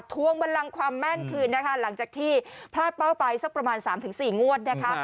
วงบันลังความแม่นคืนนะคะหลังจากที่พลาดเป้าไปสักประมาณ๓๔งวดนะคะ